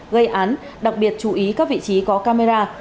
gây án đặc biệt chú ý các vị trí có camera